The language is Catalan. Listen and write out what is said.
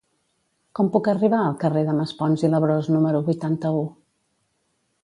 Com puc arribar al carrer de Maspons i Labrós número vuitanta-u?